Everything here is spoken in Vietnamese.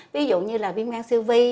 ví dụ như là biêm ngang siêu vi